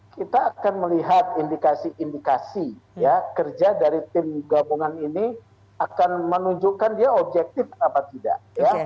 kita akan melihat indikasi indikasi ya kerja dari tim gabungan ini akan menunjukkan dia objektif apa tidak